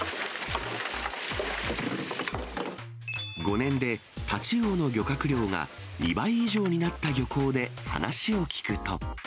５年でタチウオの漁獲量が２倍以上になった漁港で話を聞くと。